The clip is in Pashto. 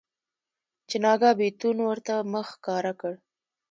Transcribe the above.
چې ناګاه بيتون ورته مخ ښکاره کړ.